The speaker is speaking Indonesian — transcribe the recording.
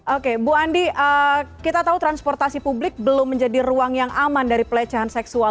oke bu andi kita tahu transportasi publik belum menjadi ruang yang aman dari pelecehan seksual